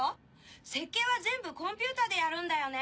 設計は全部コンピューターでやるんだよね？